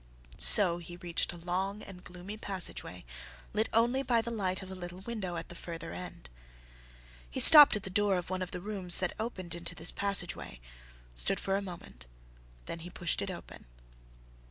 So he reached a long and gloomy passageway lit only by the light of a little window at the further end. He stopped at the door of one of the rooms that opened into this passage way, stood for a moment, then he pushed it open.